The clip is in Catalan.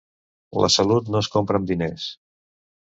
La salut no es compra amb diners.